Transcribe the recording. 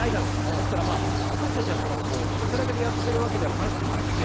ですから、私たちはおちゃらけてやっているわけでは必ずしもなくて。